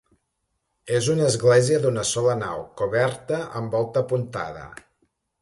És una església d'una sola nau coberta amb volta apuntada.